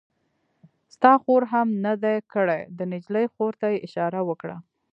ستا خور هم نه دی کړی؟ د نجلۍ خور ته یې اشاره وکړه.